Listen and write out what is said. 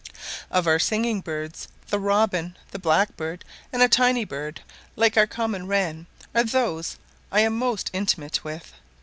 Of our singing birds, the robin; the blackbird, and a tiny bird, like our common wren, are those I am most intimate with.